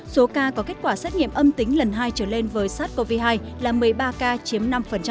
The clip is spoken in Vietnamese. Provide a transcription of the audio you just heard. số ca có kết quả xét nghiệm âm tính lần hai trở lên với sars cov hai là một mươi ba ca chiếm năm